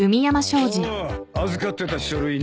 ああ預かってた書類ね。